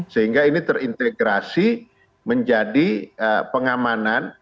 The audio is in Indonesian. sehingga ini terintegrasi menjadi pengamanan